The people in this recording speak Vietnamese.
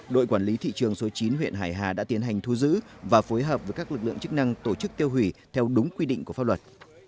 đội quản lý thị trường số chín huyện hải hà đã tiến hành thu giữ và phối hợp với các lực lượng chức năng tổ chức tiêu hủy theo đúng quy định của pháp luật